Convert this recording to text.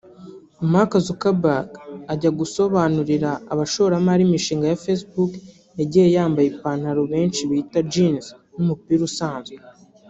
Mark Zuckerberg ajya gusobanurira abashoramari imishinga ya “Facebook” yagiye yambaye ipantaro benshi bita “Jeans” n’umupira usanzwe